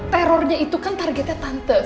terornya itu kan targetnya tante